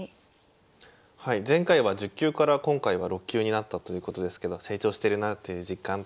前回は１０級から今回は６級になったということですけど成長してるなっていう実感とかどこかありますか？